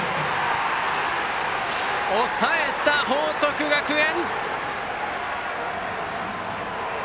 抑えた報徳学園！